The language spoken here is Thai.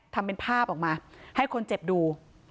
ทำเป็นภาพออกมาให้คนเจ็บดู